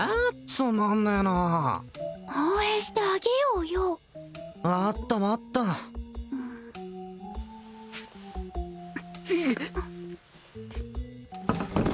つまんねえな応援してあげようよ分かった分かったえっ？